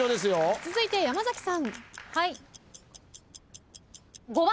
続いて勝俣さん。